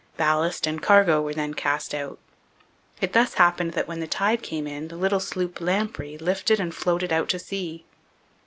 Ballast and cargo were then cast out. It thus happened that when the tide came in, the little sloop Lamprey lifted and floated out to sea.